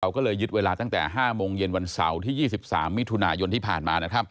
ก็เลยยึดเวลาตั้งแต่๕โมงเย็นวันเสาร์ที่๒๓มิถุนายนที่ผ่านมา